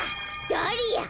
ダリア！